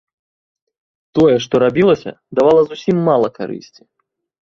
Тое ж, што рабілася, давала зусім мала карысці.